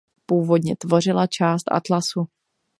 Původně tvořila část atlasu.